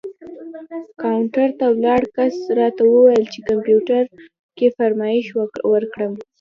کاونټر ته ولاړ کس راته وویل چې کمپیوټر کې فرمایش ورکړم.